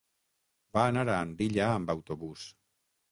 Va anar a Andilla amb autobús.